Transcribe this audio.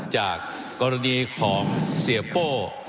ว่าการกระทรวงบาทไทยนะครับ